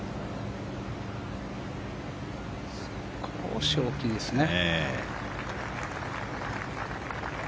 少し大きいですね。